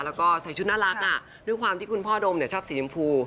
แล้วก็ใส่ชุดน่ารักด้วยความที่คุณพ่อดมชอบสีชมพู